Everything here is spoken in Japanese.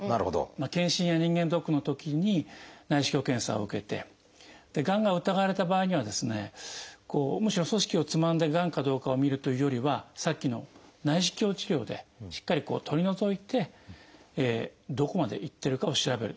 健診や人間ドックのときに内視鏡検査を受けてがんが疑われた場合にはですねむしろ組織をつまんでがんかどうかを診るというよりはさっきの内視鏡治療でしっかり取り除いてどこまでいってるかを調べる。